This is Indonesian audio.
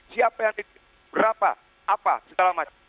siapa yang nitip berapa apa setelah mati